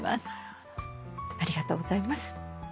ありがとうございます。